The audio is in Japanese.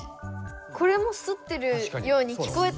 これもすってるように聞こえたんですよ。